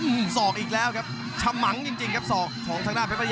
ฝุ่นศอกอีกแล้วครับชามั้งจริงครับฝุ่งศอกข้างหน้าเพจภัย